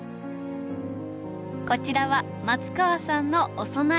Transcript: こちらは松川さんのお供え花。